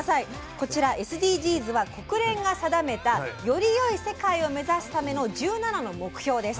こちらＳＤＧｓは国連が定めたよりよい世界を目指すための１７の目標です。